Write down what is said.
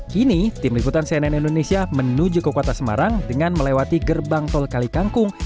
kini tim liputan cnn indonesia menuju ke kota semarang dengan melewati gerbang tol kalikangkung